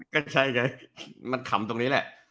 ก็ใช่ไงมันขำตรงนี้แหละ